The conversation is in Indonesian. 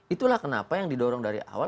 itulah kenapa yang didorong dari awal